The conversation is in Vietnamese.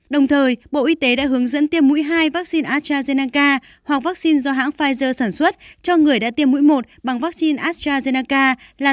đồng thời bộ y tế đã hướng dẫn tiêm mũi hai vaccine astrazeneca hoặc vaccine do hãng pfizer sản xuất cho người đã tiêm mũi một bằng vaccine astrazeneca là